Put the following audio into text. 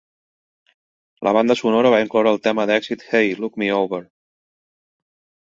La banda sonora va incloure el tema d'èxit Hey, Look Me Over.